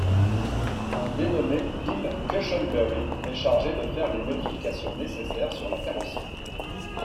Un dénommé Bill Cushenberry est chargé de faire les modifications nécessaires sur la carrosserie.